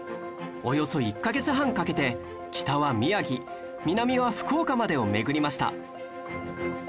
およそ１カ月半かけて北は宮城南は福岡までを巡りました